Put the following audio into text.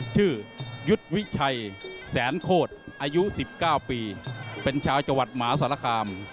ชื่อยุดวิชัยแสนโคตรอายุ๑๙ปีเป็นชาวจัวรรดิมหาสารคาม